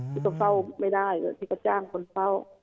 พี่ก็เฝ้าไม่ได้พี่ก็จ้างคนเฝ้า